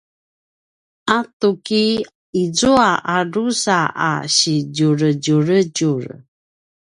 a tuki izua a drusa a sidjuredjuredjur